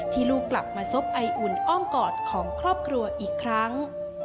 ลูกกลับมาซบไออุ่นอ้อมกอดของครอบครัวอีกครั้ง